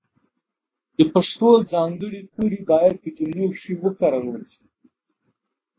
د پښتو ځانګړي توري باید په جملو کښې وکارول سي.